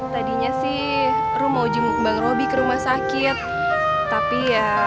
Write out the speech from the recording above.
tadinya sih rum mau jemput bang robi ke rumah sakit tapi ya